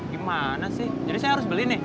gimana sih jadi saya harus beli nih